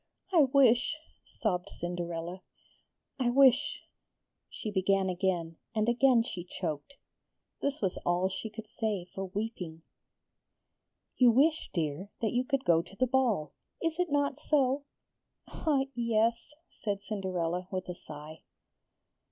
'I wish,' sobbed Cinderella. 'I wish,' she began again, and again she choked. This was all she could say for weeping. 'You wish, dear, that you could go to the ball; is it not so?' 'Ah, yes!' said Cinderella with a sigh.